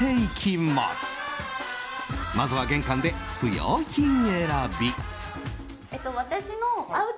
まずは玄関で不要品選び。